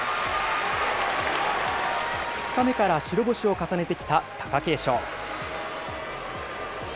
２日目から白星を重ねてきた貴景勝。